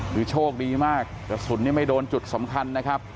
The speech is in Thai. คือโชคดีมากกระสุนไม่โดนจุดสำคัญนะครับ